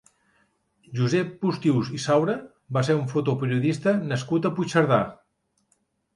Josep Postius i Saura va ser un fotoperiodista nascut a Puigcerdà.